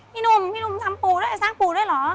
พี่หนุ่มพี่หนุ่มทำปู่ด้วยสร้างปู่ด้วยเหรอ